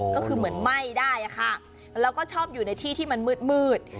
ก็คือเหมือนไหม้ได้ค่ะแล้วก็ชอบอยู่ในที่ที่มันมืด